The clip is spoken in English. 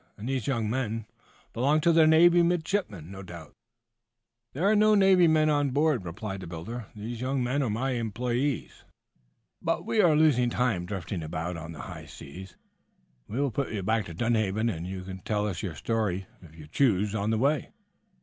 And these young men belong to the Navy? Midshipmen, no doubt?" "There are no Navy men on board," replied the builder. "These young men are my employes. But we are losing time drifting about on the high seas. We will put back to Dunhaven, and you can tell us your story, if you choose, on the way."